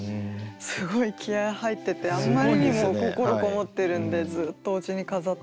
すごい気合い入っててあんまりにも心こもってるんでずっとおうちに飾って。